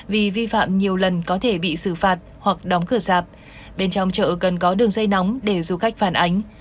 vì vi phạm nhiều lần có thể bị xử phạt hoặc đóng cửa dạp bên trong chợ cần có đường dây nóng để du khách phản ánh